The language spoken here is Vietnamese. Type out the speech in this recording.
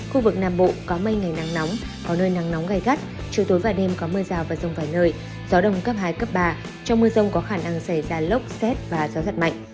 khu vực nam bộ có mây ngày nắng nóng có nơi nắng nóng gai gắt chiều tối và đêm có mưa rào và rông vài nơi gió đông cấp hai cấp ba trong mưa rông có khả năng xảy ra lốc xét và gió giật mạnh